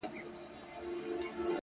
تنگ نظري نه کوم وخت راڅخه وخت اخيستی!!